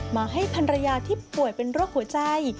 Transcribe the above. มาให้พันรยาที่ป่วยเป็นโรคหัวใจ